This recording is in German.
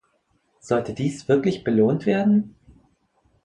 Sollte dies wirklich belohnt werden?